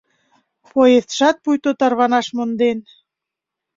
Поездшат пуйто тарванаш монден.